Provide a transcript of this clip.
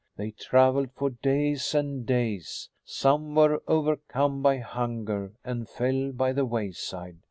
"They traveled for days and days. Some were overcome by hunger and fell by the wayside.